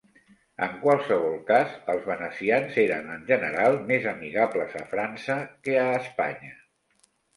En qualsevol cas, els venecians eren en general més amigables a França que a Espanya.